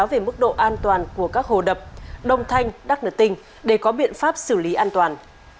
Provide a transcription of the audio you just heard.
về mức độ an toàn của các hồ đập đông thanh đắk nửa tinh để có biện pháp xử lý an toàn